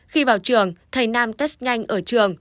khi vào trường thầy nam test nhanh ở trường